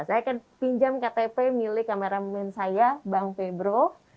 saya akan pinjam ktp milik kameramen saya bank febro